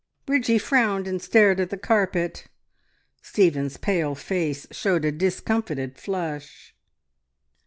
Bridgie frowned, and stared at the carpet; Stephen's pale face showed a discomfited flush.